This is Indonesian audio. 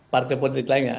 partai politik lainnya